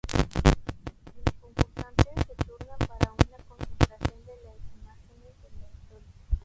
Los concursantes se turnan para una concentración de las imágenes de la historia.